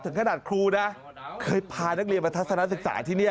ถึงขนาดครูนะเคยพานักเรียนมาทัศนศักดิ์ศาสตร์ที่นี่